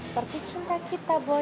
seperti cinta kita boy